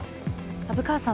虻川さん